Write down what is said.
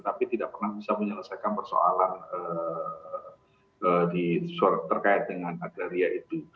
tapi tidak pernah bisa menyelesaikan persoalan terkait dengan agraria itu